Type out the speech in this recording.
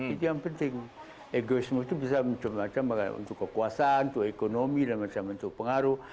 itu yang penting egoisme itu bisa macam macam untuk kekuasaan untuk ekonomi dan macam macam pengaruh